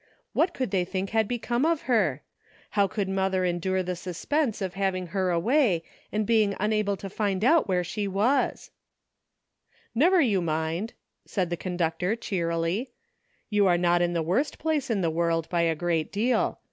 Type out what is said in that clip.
What could they think had become of her? How could mother endure the suspense of having her away and being unable to find out where she was "Never you mind," said the conductor cheer ily; "you are not in the worst place in the world by a great deal.